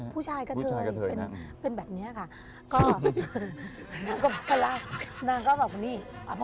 ไม่เป็นแบบนี้ค่ะ